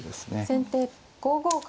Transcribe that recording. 先手５五角。